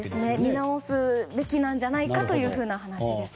見直すべきなんじゃないかという話でした。